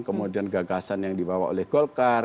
kemudian gagasan yang dibawa oleh golkar